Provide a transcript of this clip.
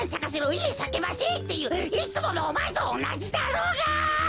「いえさきません」っていういつものおまえとおなじだろうが！